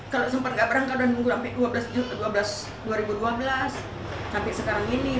kalau sempat gak berangkat udah nunggu sampai dua ribu dua belas sampai sekarang ini dua belas tahun kan